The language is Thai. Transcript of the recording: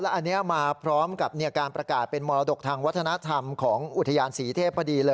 อันนี้มาพร้อมกับการประกาศเป็นมรดกทางวัฒนธรรมของอุทยานศรีเทพพอดีเลย